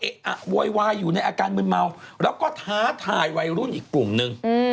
อะโวยวายอยู่ในอาการมืนเมาแล้วก็ท้าทายวัยรุ่นอีกกลุ่มนึง